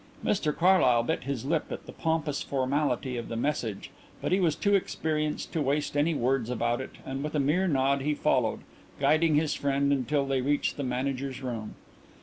Mr Carlyle bit his lip at the pompous formality of the message but he was too experienced to waste any words about it and with a mere nod he followed, guiding his friend until they reached the Manager's room.